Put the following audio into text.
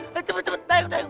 ayo cepet cepet dayung dayung